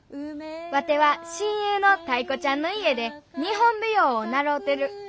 ワテは親友のタイ子ちゃんの家で日本舞踊を習うてる。